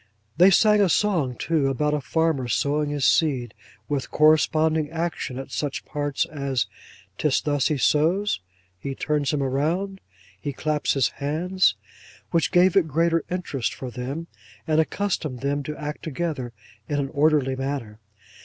They sang a song too, about a farmer sowing his seed: with corresponding action at such parts as ''tis thus he sows,' 'he turns him round,' 'he claps his hands;' which gave it greater interest for them, and accustomed them to act together, in an orderly manner.